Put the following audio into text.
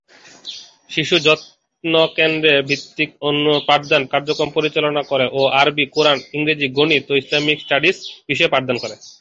শিশু যত্ন কেন্দ্র ভিত্তিক পাঠদান কার্যক্রম পরিচালনা করে এবং আরবি, কুরআন, ইংরেজি, গণিত এবং ইসলামিক স্টাডিজ বিষয়ে পাঠদান করে।